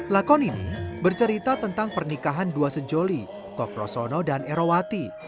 lakon ini bercerita tentang pernikahan dua sejoli kokrosono dan erowati